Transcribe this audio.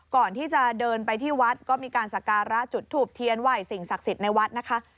ก่อนที่จะเดินไปที่วัดก็มีการสการะจุดทูบเทียนไหว้สิ่งศักดิ์สิทธิ์ในวัดนะคะ